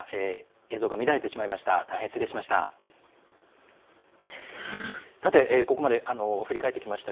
映像が乱れてしまいました。